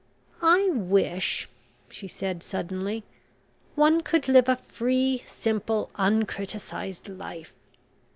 "I wish," she said suddenly, "one could live a free, simple, uncriticised life.